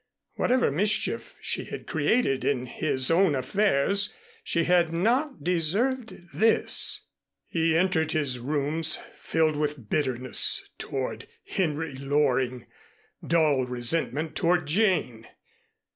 Whatever mischief she had created in his own affairs, she had not deserved this! He entered his rooms filled with bitterness toward Henry Loring, dull resentment toward Jane.